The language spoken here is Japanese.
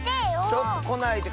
ちょっとこないで。